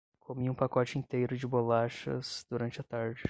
Comi um pacote inteiro de bolachas durante a tarde.